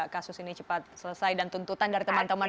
kasus ini cepat selesai dan tuntutan dari teman teman